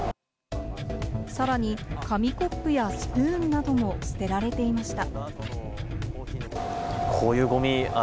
さらに紙コップやスプーンなども捨てられていました。